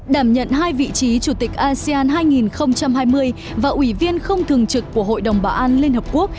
đảm nhận hai vị trí chủ tịch asean hai nghìn hai mươi và ủy viên không thường trực của hội đồng bảo an liên hợp quốc